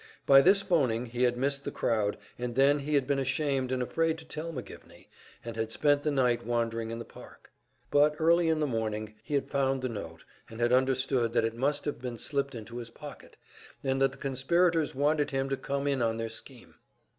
By this phoning he had missed the crowd, and then he had been ashamed and afraid to tell McGivney, and had spent the night wandering in the park. But early in the morning he had found the note, and had understood that it must have been slipped into his pocket, and that the conspirators wanted him to come in on their scheme.